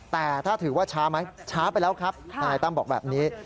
แต่ถ้าถือว่าช้าไหมช้าไปแล้วครับทนายตั้มบอกแบบนี้